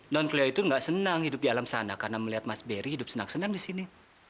non kuliah itu nggak senang hidup di alam sana karena melihat mas berry hidup senang senang di sini